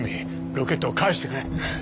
ロケットを返してくれフフッ